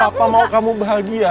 papa mau kamu bahagia